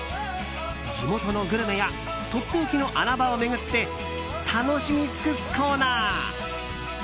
地元のグルメやとっておきの穴場を巡って楽しみ尽くすコーナー。